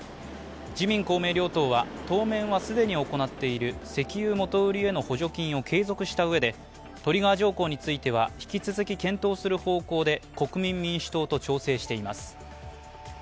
自民・公明両党は当面は既に行っている石油元売りへの補助金を継続したうえでトリガー条項については引き続き検討する方向で国民民主党と調整しています。